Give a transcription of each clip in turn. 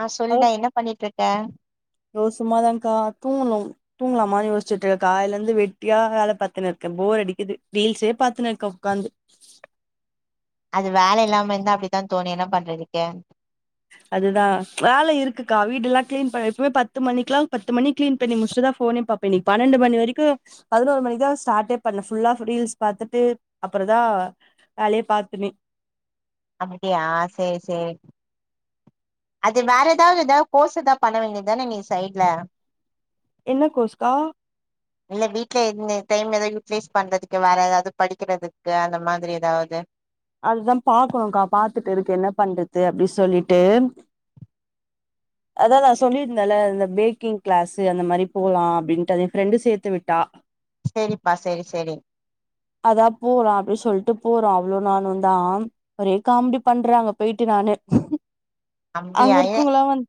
ஆ சொல்லுடா அத் என்ன பண்ணிட்டு இருக்க தோ சும்மாதாக்கா தூங்கனோ தூங்கலாமா யோசிச்சுட்டு காலைல இருந்து வெட்டியா வேல பாத்துன்னு இருக்கே போர் அடிக்குது ரீல்ஸே பாத்துன்னு இருக்க உக்காந்து அது வேல இல்லாம இருந்தா அப்டித்தா தோனு என்ன பண்றதுக்க அதுதா வேல இருக்குக்கா வீடுல்லா கிளீன் பண்ணி இப்பவுமே பத்து மணிக்குலா பத்து மணிக்கிளீன் பண்ணி முடிச்சு இப்தா ஃபோனே பாப்பே இன்னைக்கு பன்னெண்டு மணி வெரிக்கு பதினோரு மணிகு தா ஸ்டார்ட்டே பண்ண ஃபுல்லா ஆ ரீல்ஸ் பாத்துட்டு அப்றோதா வேலையே பாத்தனே அப்டியா செரி செரி அது வேற ஏதாது ஏதா கோர்ஸ் ஏதா பண்ண வேண்டியதானே நீ சைட்ல என்ன கோர்ஸ்க்கா இல்ல வீட்ல இருந்தே டைம் ஏதது யூட்டிலைஸ் பண்றதுக்கு வேற ஏதாது படிக்கிறதுக்கு அந்த மாரி ஏதாது அதுதா பாக்கணும்கா பாத்துட்டு இருக்கு என்ன பண்றது அப்டின் சொல்லிட்டு அத தா சொல்லியிருந்தல அந்த பேக்கிங் கிளாஸ்ஸு அந்த மாரி போலா அப்டின்டு அத என் ஃப்ரெண்டு சேத்து விட்டா சேரிப்பா சேரி சேரி அதா போலா அப்டி சொல்ட்டு போறோ அவ்ளோ நானு தா ஒரே காமெடி பண்றாங்க போய்ட்டு நானு அங்க அப்டியா ஏ இருக்குங்கள வந்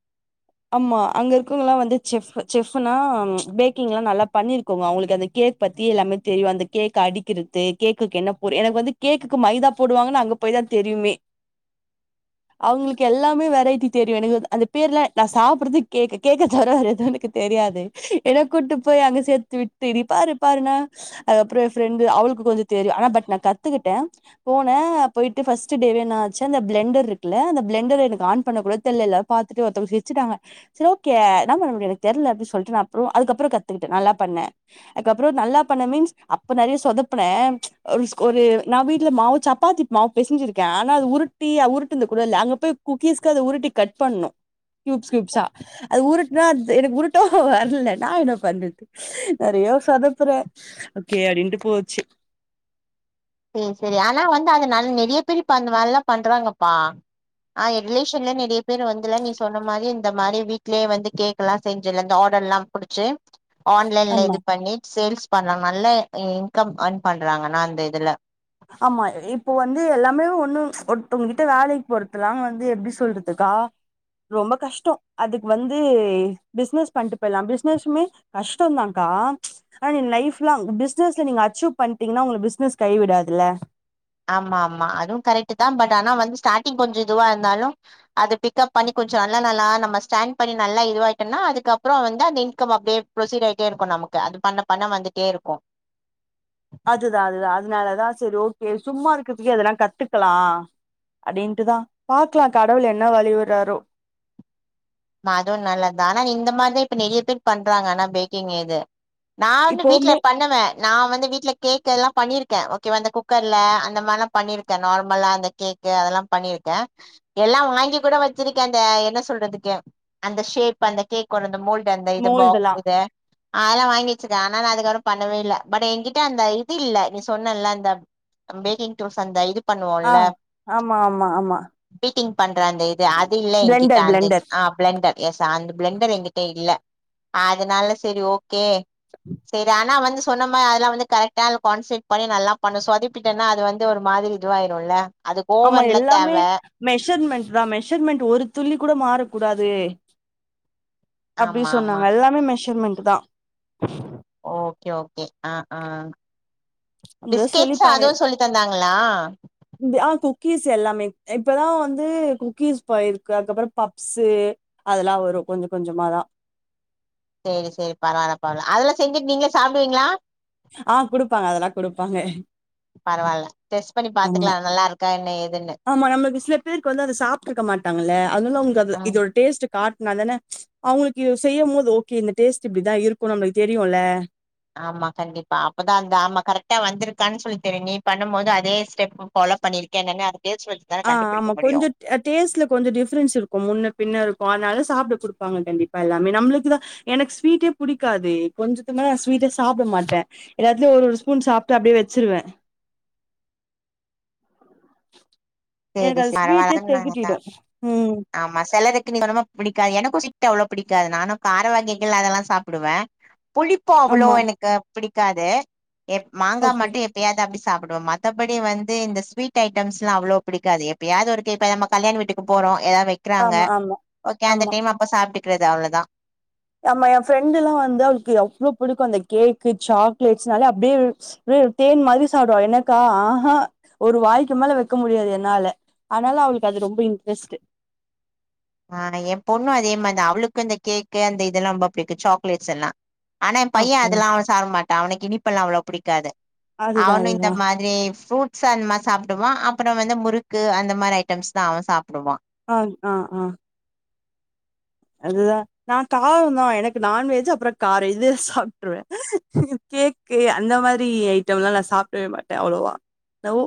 ஆமா அங்க இருக்குங்களா வந்து செஃப் செஃப்னா பேக்கிங்லா நல்லா பண்ணியிருக்கோமா அவங்களுக்கு அத கேக் பத் த்தி எல்லாமே தெரியு அந்த கேக் அடிக்கிறது கேக்குக்கு என்ன போ எனக்கு வந்து கேக் கு மைதா போடுவாங்கன்னு அங்க போய் தா தெரியுமே அவங்களுக் எல்லாமே வெரைட்டி தெரியு எனக்கு அந்த பேர்ல நா சாப்பிடறது கேக் கேக் தவர வேற எது எனக் தெரி ரியாது என கூட்டு போய் அங்க சேத்து விட்டு நீ பாரு பாருனா அதுக் அப்றோ என் ஃப்ரெண்ட் அவளுக்கு அது தெரியு ஆனா பட் நா கத்துக்கிட்டே போன போய்ட்டு ஃபஸ்ட் டேவே என்ன ஆச்சு அந்த பிளண்டர் இருக்குல அந்த பிளண்டர் எனக் ஆன் பண்ண கூட தெர்ல இத பாத்துட்டு ஒருத்தவங்க சிரிச்சிட்டாங்க இட்ஸ் ஓகே இன்னா பண்ண முடியு தெர்லனு சொல்ட்டு நா அப்றோ அதுக் அப்றோ கத்துகிட்டு நல்லா கத் பண்ணே அதுக் அப்றோ நல்லா பண்ண மீன்ஸ் அப்ப நெறிய சொதப்பனே ஒர் ஒரு நா வீ ட்ல மாவு சப்பாத்தி மாவு பேசஞ்சிருக்கே ஆனா அது உருட்டி உருட்டினது கூட இல்ல அங்க போய் குக்கீஸ்க்கு அத உருட்டி கட் ட் பண்ணு கியூப்ஸ் கியூப்ஸா அது உருட்னா எனக்கு உருட்டவு வர்ல நா என்ன பண்றது நறை சொதப்ற ஓகே அப்டின்ட்டு போச்சு உம் சேகரி ஆனா வந்து அதனால நெறிய பேர் இப்ப அந்த மாரில்லா பண்றாங்கப்பா ஆஹ் ஏன் ரிலேஷன்ல நெறைய பேர் வந்துல நீ சொன்ன மாரி இந்த மாரி வீட்லே வந்து கேக் எல்லா செஞ்சல ஆர் டர்லா புடிச்சு ஆன்லைன்ல ஆமா இது பண்ணி சேல்ஸ் பண்றாங்க நல்ல இன்கம் அர்ன் பண்றாங்க அனா அந்த இதுல ஆமா இப்போ வந்து எல்லாமே ஒண்ணு ஒருத்தவங்கிட்ட வேலைக்கு போறத்துலா வந்து எப்டி சொல்றது அஹ் ரொம்ப கஷ்டோ அதுக்கு வந்து பிசினஸ் பண்ட்டு போயிறலா பிசினஸ்சுமே கஷ்டோ தா கா ஆ அனா லைஃப் லாங் பிஸ்னஸ்ல நீங்க அச்சீவ் பண்ணீட்டிங்னா உங்கள பிஸ்னஸ் கை விடாதுல்ல ஆமா ஆமா அதுவு கரெக்ட் தா பட் ஆனா வந்து ஸ்டாடிங்ல கொஞ்சோ இதுவா இருந்தாலு அது பிக்கப் பண்ணி கொஞ்சோ நல்ல நல்ல நம்ம ஸ்டாண்ட் பண்ணி நல்லா இதுவாயிட்டன்னா அதுக்கப்பறோ வந்து அந்த இன்கம் அப்டியே ப்ரோசீட் ஆயிட்டே இருக்கு நம் நமக்கு அது பண்ண பண்ண வந்துட்டே இருக்கு அதுதா அதுதா அதனாலதா சேரி ஓகே சும்மா இருக்கறதுக்கு எதன்னா கத்துக்கலா அடின்ட்டுதா பாக்கலா கடவுள் என்ன வழி விட்றாரோ அதுவு நல்லது தா ஆனா இந்த மாரிதா இப்ப நெறிய பேர் பண்றாங்க ஆனா பேக்கிங் எது நா வந்து வீட்ல இப்பவுமே பண்ணுவ நா வந்து வீட்ல கேக் கெல்லா பண்ணிருக்க ஓகேவா இந்த குக்கர்ல அந்த மாரிலா பண்ணிருக்க நார்மலா அந்த கேக்கு அதெல்லா பண்ணிருக்க எல்லா வாங்கி கூட வச்சிருக்க அந்த என்ன சொல்றதுக்கு அந்த ஷேப் அந்த கேக் ஒட அந்த மோல்டு அந்த இது பாக் மோல்டுலா இது அதெல்லா வாங்கி வச்சுருகே ஆனா நா அதுக்கப்றோ பண்ணவே இல்ல பட் என்கிட்ட அந்த இது இல்ல நீ சொன்னல அந்த பேக்கிங் டோஸ் அந்த இது பண்ணுவோம்ல, அஹ் ஆமா ஆமா ஆமா டிங் பண்ற அந்த இது அது இல்ல ஏகிட்ட பிளெண்டர் அந்த பிளெண்டர் பெலண்டர் எஸ் அந்த பெலண்டர் எ கிட்ட இல்ல அதனால சேரி ஓகே சேரி ஆனா வந்து சொன்ன மாரி அதெல்லா வந்து கரெக்டா கான்சேட் பண்ணி நல்லா பண்ணு சொதப்பிட்டேன்னா அது வந்து ஒரு மாரி இதுவாயிருல்ல அதுக்கு ஆமா ஓவன்ல தேவ எல்லாமே மெஷர்மெண்ட் தா மெஷர்மெண்ட் ஒரு துளி கூட மாற கூடாது அப்டி ஆமா ஆமா சொன்னாங்க எல்லாமே மெஷர்மெண்ட் தா ஓகே ஓகே ஆஹ் ஆஹ் அப்டிதா சொல்லி பிஸ்கேட்ஸ் பாரு அதுவு சொல்லி தந்தாங்களா இந்த- ஆ குக்கீஸ் எல்லாமே இப்பதா வந்து குக்கீஸ் போயிருக்கு அதுக்கப்பறோ பப்ஸ்சு அதெல்லா வரு கொஞ்சோகொஞ்சமாதா உஹும் பரவால்ல பரவால அதெல்லா செஞ்சுட்டு நீங்களே சாப்புடுவீங்களா ஆஹ் குடுப்பாங்க அதெல்லா குடுப்பாங்க பரவால்ல டெஸ்ட் பண்ணி ஆமா. பாத்துக்கலா நல்லா இருக்கா என் ஆமா நம்மளுக்கு சில பேருக்கு வந்து அத சாப்ட்டுருக்க மாட்டாங்கல்ல அதனால உங்க ம் இதோட டேஸ்ட்டு காட்னா தான அவுங்களுக்கு செய்யு போது ஓகே இந்த டேஸ்ட் இப்டிதா இருக்கு நம்மளுக்கு தெரியும்ல ஆமா கண்டிப்பா அப்பதா அந்த ஆமா கரெக்டா வந்திருக்கான்னு சொல்லி தெரியு நீ பண்ணம்போது அதே ஸ்டெப் ஃபா லோ பண்ணிருக்கேன்னு ஆஹ் ஆமா கொஞ்சோ டேஸ்ட்ல கொஞ்சோ டிஃப்ரென்ஸ் இருக்கு முன்ன பின்ன இருக்கு அதனால சாப்ட குடுப்பாங்க கண்டிப்பா எல்லாமே நம்மளுக்கு தா எனக்கு ஸ்வீட்டே புடிக்காது கொஞ்சத்து தா ஸ்வீட்டே சாப்ட மாட்ட எல்லாத்திலேயு ஒரு ஒரு ஸ்பூன் சாப்ட்டு அப்டே வச்சுருவே [inaudible] [inaudible] சேரி எனக்கு ச அது ஸ்வீட்டே பரவால நா [inaudible] தா தெகட்டிடு ம் ஆமா செலருக்கு நீ சொன்ன மாரி புடிக்காது எனக்கு ஸ்வீட் அவ்ளோ புடிக்காது நானு கார வகைகள் அதெல்லா சாப்டுவ புளிப்போய அவ்ளோ ஆமா எனக்கு புடிக் காது மாங்கா ஓகே மட்டு எப்பயாது அப்டி சாப்டுவ மத்தபடி வந்து இந்த ஸ்வீட் ஐட்டம்ஸ்லா அவ்ளோ புடிக்காது எப்பயாது ஒருக்க இப்ப நம்ம கல்யாண வீட்டுக்கு போறோ எதா வெக்றாங்க ஆமா ஆமா ஓகே அந்த டைம் அப்ப சாப்ட்டு க்றது அவ்ளோதா நம்ம ஏ ஃப்ரெண்டு்ல்லா வந்து க்கு எவ்ளோ புடிக்கு அந்த கேக்கு சாக்லேட்ஸ்னால அப்டியே ஒரு தேன் மாரி சாப்டுவா எனக்கா ஆஹ ஒரு வாய்க்கு மேல வக்க முடியாது என்னால ஆனால அவளுக்கு அது ரொம்ப இன்ட்ரெஸ்ட்டு [inaudible] ஆனா ஏ பொண்ணு அதே மாரிதா அவளுக்கு இந்த கேக்கு அந்த இதெல்லா ரொம்ப புடிக்கு சாக்லேட்ஸ் எல்லா ஆனா ஏ பைய ஓகே அதெல்லா ஓகே அவ்ளோ சாப்ட மாட்டா அவனுக்கு இனிப்பெல்லா அவ்ளோ புடிக் காது அதுதா அவனு இந்த அதுதா மாதிரி ஃப்ரூட் ஸு அந்தமாரி சாப்டுவா அப்புற வந்து முறுக்கு அந்த மாரி ஐட்டம்ஸ் தா அவன் சாப்டுவா ஆ ஆ ஆ அதுதா நா காரந்தா எனக்கு நான்வெஜ் அப்புற கார இது சாப்ட்டுருவ கேக்கு அந்த மாரி ஐட்டம்லா நா சாப்டவே மாட்ட அவ்ளோவா லவ்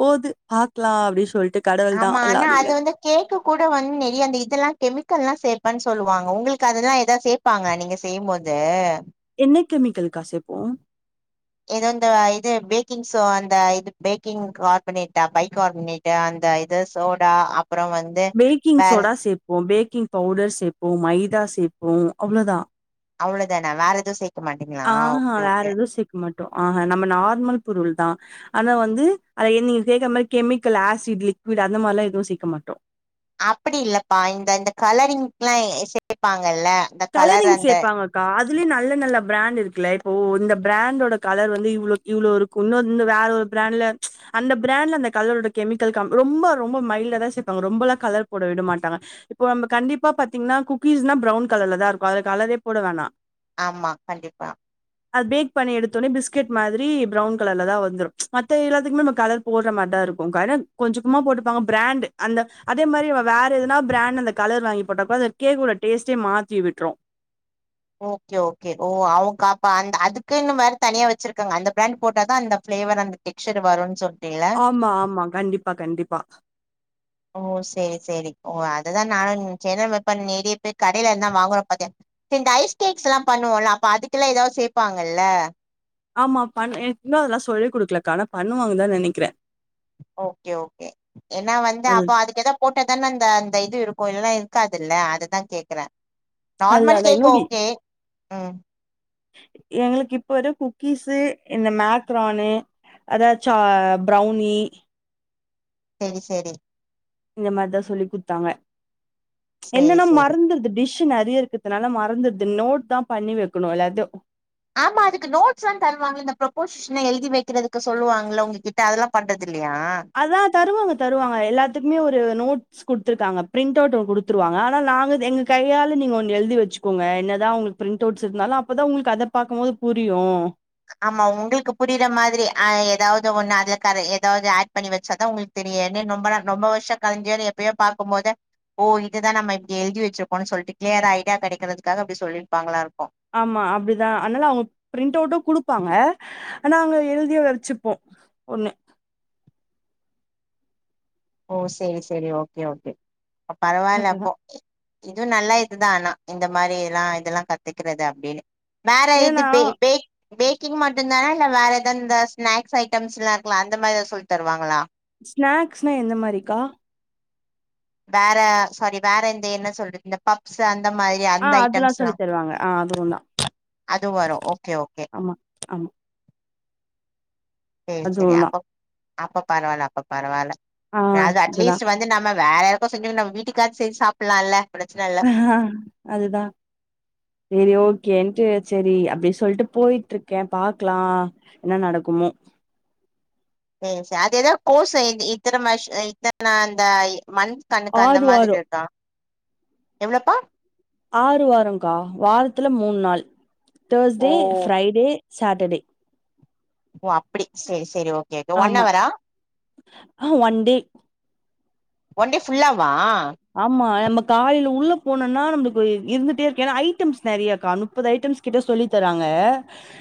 போது பாக்கலா அப்டி சொல்ட் ஆமா ஆனா அது வந்து கேக்கு கூட வந்து நெறைய அந்த இதெல்லா கெமிக் கல்லா சேப்பேன்னு சொல்லுவாங்க உங்களுக்கு அதெல்லா ஏதாது சேப்பாங்க நீங்க செய்யும் போது என்ன கெமிக்கல்க்கா சேப்போ ஏதோ அந்த இது பேக்கிங் சோ அந்த இது பேக்கிங் கார்பனேட்டா பை கார்பனேட்டு அந் த இது சோடா அப் பேக்கிங் சோடா சேப்போ பேக்கிங் பவுடர் சேப்போ மைதா சேப்போ அவ்ளோதா அவ்ளோதானா வேற எதுவு சேக் ஆஹ வேற எதுவு சேக்க மாட்டோ ஆஹ நம்ம நார்மல் பொருள்தா ஆனா வந்து அத நீங்க கேக்குற மாரி கெமிக்கல் ஆசிட் லிக்விட் அந்த மாரில்லா எதுவு சேக்க மாட்டோ அப்பிடி இல்லப்பா இந்த இந்த கலரிங்க்லா சேப்பாங்க கலரிங் சேப்பாங்கக்கா அதுலயு நல்ல நல்ல பிராண்ட் இருக் ட்ல இப்போ இந்த பிராண்டோட கலர் வந்து இவ்ளோ இவ்ளோ இருக்கும் இன்னு இன்னு வேற ஒரு பிராண்ட்ல அந்த பிராண்ட் நான்லா அந்த கலரோட கெமிக்கல் கம் ரொம்ப ரொம்ப மைல்டாதா சேப்பாங்க ரொம்பலா கலர் போட விட மாட்டாங்க இப்போ நம்ப க கண்டிப்பா பாத்தீங்கன்னா குக்கீஸ்னா ப்ரவுன் கலர்லதா இருக்கு அதுக்கு கலரே போட வேணா ஆமா கண்டிப்பா அது பேக் பண்ணி எடுத்தோன்னே பிஸ்கெட் மாதிரி பிரௌன் கலர்லதா வந்துரு மத்த எல்லாத்துக்குமே நம்ம கலர் போட்ற மாரிதா இருக்கும் கனர் கொஞ்சக்குமா போட்டுப்பாங்க பிராண்டு அந்த அதே மாரி வேற எதனா பிராண்ட் அந்த கலர் வாங்கி போட்டா அப்ப அந்த கேக்கோட டேஸ்ட்டே மாத்தி விட்ரு ஓகே ஓகே ஓ அவுங்க அப்ப அந்த அதுக்குன்னு வேற தனியா வச்சிருக்காங்க அந்த பிராண்ட் போட்டாதா அந்த பிளேவர் அந்த டெக்ஷர் வருன்னு சொல்ட் ஆமா ஆமா கண்டிப்பா கண்டிப்பா ஓ சேரி சேரி ஓ அததா நானும் நெனச்ச ஏன்னா இப்ப நெறைய பேர் கடையில இருந்தா வாங்குறௌ பாத்தியா இந்த ஐஸ் கேக்ஸ்லா பண்ணுவோல்ல அப்ப அதுக்கெல்லா ஏதாவது சேப்பாங்கல்ல ஆமா பண் எனக் இன்னும் அதெல்லா சொல்லிக் கொடுக்கலக்கா ஆனா பண்ணுவாங்கதா நெனைக்கிறே ஓகே ஓகே ஏன்னா வந்து அது அப்போ அதுக்கு ஏதோ போட்டதான அந்த அந்த இது இருக்கும் கோயிலல்லா இருக்காதுல்ல அதுதா கேக்குற அதுதா அதா ரூபி ம் எங்களுக்கு இப் ஒரு குக்கீஸு இந்த மேக்ரானு அதாது சா ப்ரௌனி சேரி சேரி இந்த மாரிதான் சொல்லி குடுத்தாங்க செரி என்னன்னா செரி மறந்துருது டிஷ் ஃபங்க்ஷன் நெறைய இருக்கிறதுனால மறந்ததுடுது நோட்தா பண்ணி வக்கணு எல்லத்தையு ஆமா அதுக்கு நோட்ஸ்லா தருவாங்க இந்த ப்ரொப்போஷனல் எழுதி வக்கிறதுக்கு சொல்லுவாங்க உங்ககிட்ட அதெல்லா பண்றதுக் அதாட் தருவாங்க தருவாங்க எல்லாத்துக்குமே ஒரு நோட் நோட்ஸ் குடுத்திருக்காங்க பிரிண்ட் அவுட் ஒன்னு கொடுத்துருவாங்க ஆனா நா எங்க கையால் நீங்க ஒன்னு எழுதி வச்சுக்கோங்க என்னதா உங்களுக்கு பிரண்ட்டவுஸ் இருந்தாலு அப்பதா உங்களுக்கு அத பார்க்கும் போது புரியு ஆமா உங்களுக்கு புரியற மாதிரி ஆ ஏதாவது ஒன்னு அதுல கரை ஏதது ஆட் பண்ணி வச்சாதா உங்களுக்கு தெரியு ரொம்பனா ரொம்ப வருஷ கழிஞ்சேன்னு எப்பயோ பாக்கும் போது ஓ இததா நம்ம இப்டி எழுதிவச்சிருக்கோனு சொல்ட்டு கிளியர் ஐடியா கெடக்கறதுக்காக அப்டி சொல்லிருப்பாங்களா இருக்கூ ஆமா அப்டிதா ஆனால அவுங்க பிரிண்ட் அவுட்டூ குடுப்பாங்க ஆனா அங்க எழுதியு வெச்சுப்போ ஒண்ணு [inaudible] ஓ செரி செரி ஓகே ஓகே அ அதுதா பரவாலப்போ இது நல்ல இதுதான் ஆனா இந்த மாரி எல்லா இதெல்லா கத்துக்கிறது அப்டின்னு வேற ஏன்னா இதுப் பே பே பேக்கிங் மட்டு தானா இல்ல வேற எதாவ்து இந்த ஸ்னாக்ஸ் ஐட்டம்ஸ்லா இருக்குல அந்த மாரி ஏதாவ்து சொல் தருவாங்ளா ஸ்நாக்ஸ்னா எந்த மாரிக்கா வேற சாரி வேற இந்த என்ன சொல்றது இந்த பப்ஸ் அந்த இந்தமாரி ஆ அந்த அதெல்லா ஐட்டம்ஸ்லா சொல்லி தருவாங்க ஆ அதுவுந்தா அது வரு ஓகே ஓகே ஆமா ஆமா சேரி சேரி அதுவுந்தா அப்பப் அப்ப பரவால்ல அப்ப பரவால்ல ஆ அது இதுதா அட்லீஸ்ட் வந்து நம்ம வேறயாருக்கோ செஞ்சு நம்வீட்டுக்காச்சு செஞ்சு சாப்புலால்ல ஆ அதுதா செரி ஓகே கேன்ட்டு சரி அப்டி சொல்ட்டு போயிட்ருக்கே பாக்லா என்ன நடக்குமோ [inaudible] ம் ச அது எதோ கோஸு இ இத்தன மஷ இத்தன அந்த இ மந்த் கணுக்கு அந்த ஆறு மாதிரி வாரோ இருக்கா எவ்ளப்பா ஆறு வாரங்க்கா வாரத்துல மூண் நாள் ஓ தேர்ஸ்டே ஃப்ரைடே சாட்டர்டே ஓ அப்டி செரி செரி ஓகே ஓகே ஆமா ஒன்அவரா ஆ ஒன் டே ஓன்டே ஃபுல்லாவா ஆமா என் நம்பக் காலையில உள்ள போனனா நம்ளுக்கு இருந்துட்டே இருக்கு ஏன்னா ஐட்டம்ஸ் நெறையக்கா நுப்பது ஐட்டம்ஸ் கிட்ட சொல்லி தராங்க அ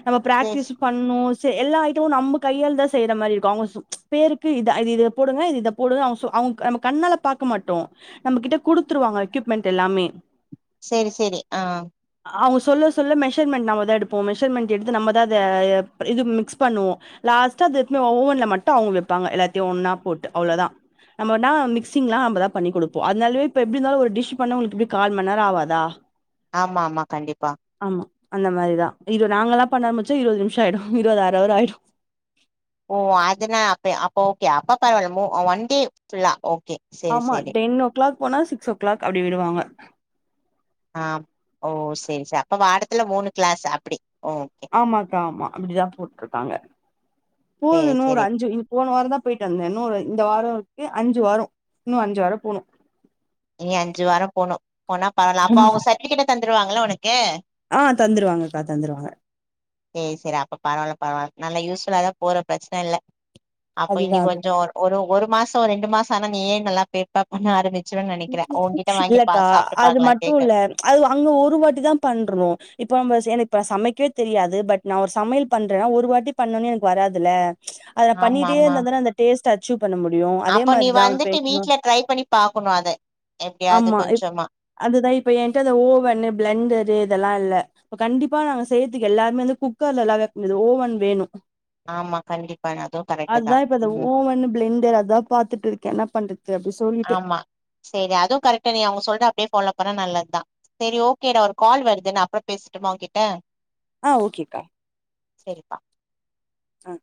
நம்ம சேரி பிராக்டிஸு பண்ணூ ச எல்லா ஐட்டமு நம்ப கையால் தா செய்யற மாரி இருக்கூ அவுங்க பேருக்கு இத இத போடுங்க இது இத போடுங்க அவுங்க சொ அவுங் நம்ம கண்ணால பாக்க மாட்டோ நம்ம கிட்ட குடுத்துருவாங்க எக்யூப்மெண்ட் எல்லாமே சரி சரி ஆ அவுங்க சொல்ல சொல்ல மெஷர்மெண்ட் நம்மதா எடுப்போ மெஷர்மெண்ட் எடுத்து நம்மதா அத இது மிக்ஸ் பண்ணுவோ லாஸ்ட்டா அது எத்னுபோய்‌ ஓவன்ல மட்டு அவுங்க வெப்பாங்க எல்லாத்தையு ஒன்னா போட்டு அவ்ளோதா நம்ம வந்தா மிக்சிங்லா நம்மதா பண்ணி குடுக் போ அதனாலவே இப்ப எப்டி இருந்தாலு ஒரு டிஷ் பண்ண உங்ளுக்கு எப்டி கால் மண்நேர ஆவாதா ஆமா ஆமா கண்டிப்பா ஆமா அந்த மாரிதா இது நாங்கலா பண்ண ஆரம்பிச்சா இருவது நிமிஷ ஆயிடு இருபது அர அவர் ஆயிடு ஓ அதனா அப்ப அப்ப ஓகே அப்ப பரவால்ல மு ஒன் டே ஃபுல்லா ஓ ஆமா டென் ஓ க்ளாக் போனா சிக்ஸ் ஓ க்ளாக் அப்டி விடுவாங்க ஆ ஓ செரி செரி அப்ப வாரத்துல மூணு க்ளாஸ் அப்டி ஓகே ஆமாக்கா ஆமா அப்டிதான் போட்டுருக்காங்க போது சேரி நூறு சேரி அஞ்சு இ போன வாரந் தா பேயிட்டு வந்தே இன்னொரு இந்த வார ஏ அஞ்சு வாரோ இன்னு அஞ்சு வாரோ போனு இனி அஞ்சு வார போணு போனா பரல அப்ப அவுங்க சர்டிஃபிகேட்டு தந்துருவாங்கள ஒனக்கு அ தந்துருவாங்கக்கா தந்துருவாங்க ஏ சரி அப்ப பரவால்ல பரவால்ல நல்லா யூஸ்ஃபுல்லாதா போற பிரச்சன இல்ல அப்போ இனி அதுதா அதுதா கொஞ்சோ ஒரு ஒரு மாசோ ஒரு ரெண்டு மாசோ ஆனா நீயே நல்லா பேக்லா பண்ண ஆரம்பிச் இல்லக்கா அது பாக்கலா கேக்க மட்டுல்ல அது அங்க ஒரு வாட்டி தா பண்றோ இப்ப [unintelligible] எனக் இப்ப சமைக்வே தெரியாது பட் நா ஒரு சமையல் பண்றே ஒரு வாட்டி பண்ணோன்யே எனக்கு வராதுல்ல அத நா ஆமா பண்ணிட்டே ஆமா இருந்தாதான அந்த டேஸ்ட் அச்சுப் பண்ண முடியு அதே அப்ப நீ மாரிதா உ வந்துட்டு பேக்கிங்கு வீட்ல ட்ரை பண்ணி பாக்கணு அத எப்டியாது ஆமா இப் கொஞ்சமா அதுதா இப்ப என்ட்ட அந்த ஓவன்னு பிளண்டரு இதெல்லா இல்ல இப்ப கண்டிப்பா நாங்க செய்ரதுக்கு எல்லாமே வந்து குக்கர்ல எல்லா வெக்க முடியாது ஓவன் வேணு ஆமா கண்டிப்பா அதுவு கரெக்ட் தா அதா இப்ப அத ம் ஓவன் பிளெண்டு அதா பாத்துட்ருக்கே என்ன பண்றது அப்டி சொல்லிட்டு செரி அதுவு கரெக்டு நீ அவுங்க சொல்ற அப்டியே ஃபாலோ பண்ணா நல்லதா செரி ஓகேடா ஒரு கால் வருது நா அப்பற பேச ட்டுமா உங்கிட்ட அ ஓகேகா சேரிப்பா அ